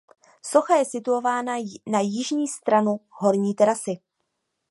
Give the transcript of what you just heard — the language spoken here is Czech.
Socha je situována na jižní stranu horní terasy.